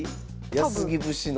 安来節の？